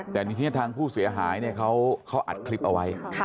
แต่ทีนี้ทางผู้เสียหายเขาอัดคลิปเอาไว้